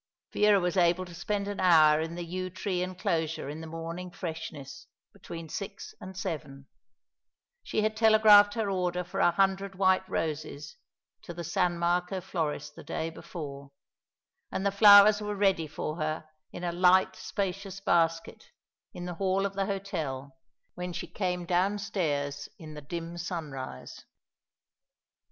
Vera was able to spend an hour in the yew tree enclosure in the morning freshness, between six and seven. She had telegraphed her order for a hundred white roses to the San Marco florist the day before, and the flowers were ready for her in a light, spacious basket, in the hall of the hotel, when she came downstairs in the dim sunrise.